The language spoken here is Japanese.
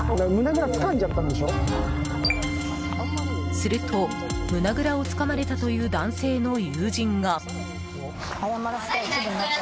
すると、胸ぐらをつかまれたという男性の友人が。